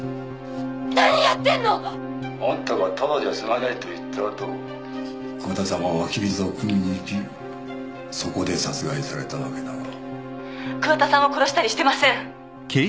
何やってんの⁉あんたがタダじゃ済まないと言ったあと桑田さんは湧き水をくみに行きそこで殺害されたわけだが桑田さんを殺したりしてません！